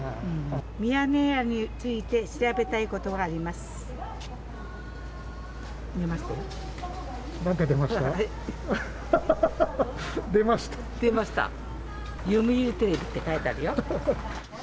ミヤネ屋について調べたいことがあります。